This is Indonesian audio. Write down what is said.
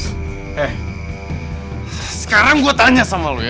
eh sekarang gue tanya sama lo ya